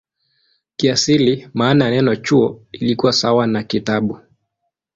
Kiasili maana ya neno "chuo" ilikuwa sawa na "kitabu".